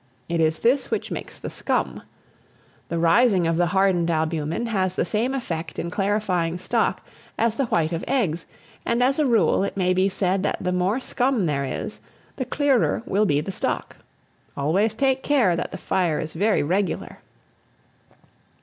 It is this which makes the scum. The rising of the hardened albumen has the same effect in clarifying stock as the white of eggs; and, as a rule, it may be said that the more scum there is, the clearer will be the stock. Always take care that the fire is very regular.